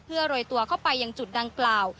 เพื่อโรยตัวเข้าไปอย่างจุดดังกล่าว